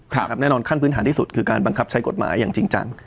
แน่นอนขั้นพื้นฐานที่สุดคือการบังคับใช้กฎหมายอย่างจริงจัง